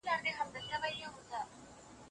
سختۍ د ژوند برخه دي.